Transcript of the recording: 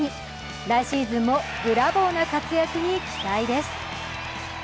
来シーズンもブラボーな活躍に期待です。